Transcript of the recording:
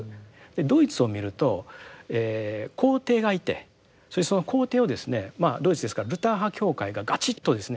ドイツを見ると皇帝がいてそれでその皇帝をですねドイツですからルター派教会がガチッとですね